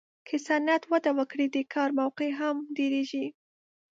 که صنعت وده وکړي، د کار موقعې هم ډېرېږي.